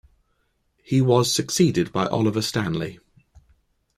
He was succeeded by Oliver Stanley.